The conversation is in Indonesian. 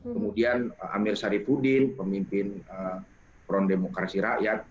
kemudian amir sari pudin pemimpin peron demokrasi rakyat